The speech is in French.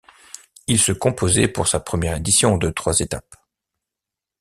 Il se composait pour sa première édition de trois étapes.